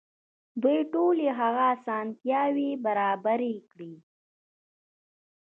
دوی ټولې هغه اسانتياوې برابرې کړې.